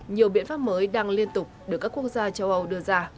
nhiều biện pháp mới đang liên tục được các quốc gia châu âu đưa ra